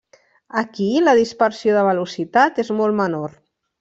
Aquí, la dispersió de velocitat és molt menor.